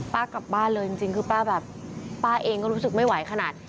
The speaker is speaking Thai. กลับบ้านเลยจริงคือป้าแบบป้าเองก็รู้สึกไม่ไหวขนาด